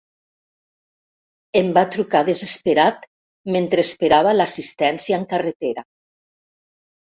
Em va trucar desesperat, mentre esperava l'assistència en carretera.